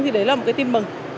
thì đấy là một cái tin mừng